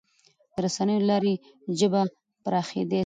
د رسنیو له لارې ژبه پراخېدای سي.